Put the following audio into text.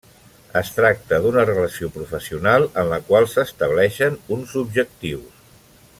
Es tracta d'una relació professional en la qual s'estableixen uns objectius.